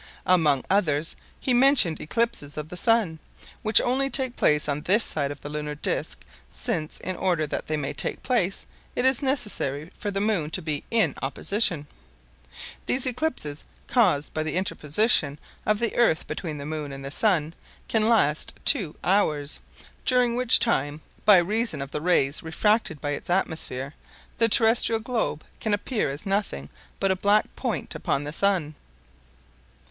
Among others, he mentioned eclipses of the sun, which only take place on this side of the lunar disc; since, in order that they may take place, it is necessary for the moon to be in opposition. These eclipses, caused by the interposition of the earth between the moon and the sun, can last two hours; during which time, by reason of the rays refracted by its atmosphere, the terrestrial globe can appear as nothing but a black point upon the sun.